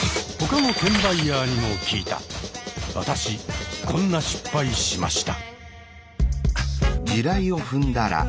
私こんな失敗しました。